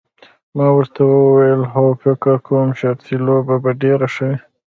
ما ورته وویل هو فکر کوم شرطي لوبه به ډېره ښه وي.